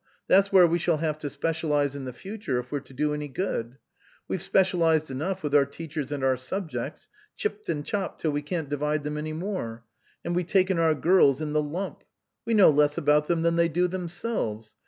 That's where we shall have to specialise in the future if we're to do any good. We've specialised enough with our teachers and our subjects ; chipped and chopped till we can't divide them any more ; and we've taken our girls in the lump. We know less about them than they do themselves.